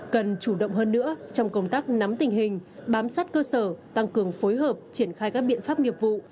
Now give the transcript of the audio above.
cần chủ động hơn nữa trong công tác nắm tình hình bám sát cơ sở tăng cường phối hợp triển khai các biện pháp nghiệp vụ